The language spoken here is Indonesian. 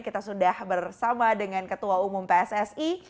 kita sudah bersama dengan ketua umum pssi